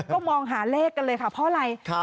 ก็มองหาเลขกันเลยค่ะเพราะอะไร